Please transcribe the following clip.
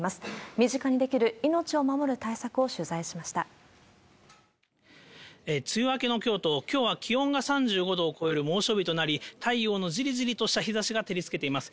身近にできる命を守る対策を取材梅雨明けの京都、きょうは気温が３５度を超える猛暑日となり、太陽のじりじりとした日ざしが照りつけています。